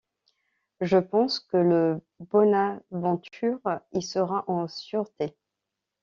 Je pense que le Bonadventure y sera en sûreté.